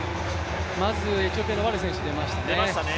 まずエチオピアのワレ選手出ましたね。